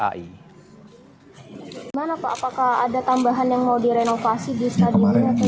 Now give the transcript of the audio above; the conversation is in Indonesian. bagaimana pak apakah ada tambahan yang mau direnovasi di stadionnya